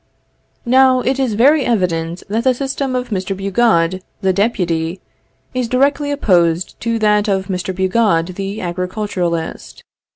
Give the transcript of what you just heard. Now it is very evident that the system of Mr. Bugeaud the deputy, is directly opposed to that of Mr. Bugeaud the agriculturist.